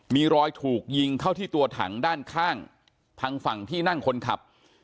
มีรอยถูกยิงเข้าที่ตัวถังด้านข้างทางฝั่งที่นั่งคนขับ